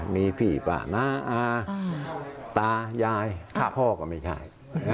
มีพี่ป้าน้าอาตายายพ่อก็ไม่ใช่